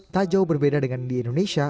tak jauh berbeda dengan di indonesia